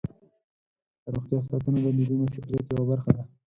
د روغتیا ساتنه د ملي مسؤلیت یوه برخه ده.